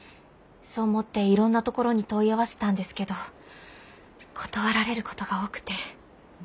そう思っていろんなところに問い合わせたんですけど断られることが多くて。